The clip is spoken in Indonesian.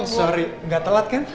sorry gak telat kan